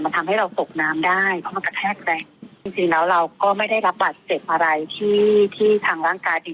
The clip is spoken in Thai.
ทำให้เราตกน้ำได้เพราะมันกระแทกแรงจริงจริงแล้วเราก็ไม่ได้รับบาดเจ็บอะไรที่ที่ทางร่างกายดี